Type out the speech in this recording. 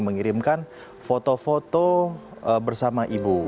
mengirimkan foto foto bersama ibu